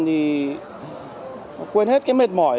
thì quên hết mệt mỏi